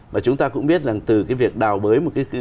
mà chúng ta cũng biết rằng từ cái việc đào bới